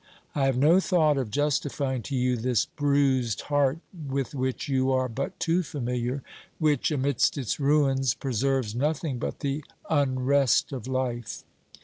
I have no thought of justifying to you this bruised heart, with which you are but too familiar, which, 384 OBERMANN amidst its ruins, preserves nothing but the unrest of life.